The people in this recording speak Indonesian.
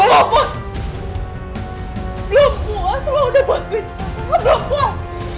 engga put belum puas lu udah buat gitu engga belum puas